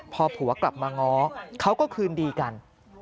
พอผัวกลับมาง้อเขาก็คืนดีกัน